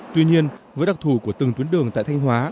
tuy nhiên với đặc thù của từng tuyến đường tại thanh hóa